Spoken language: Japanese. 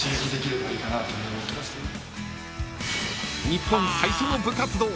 ［日本最初の部活動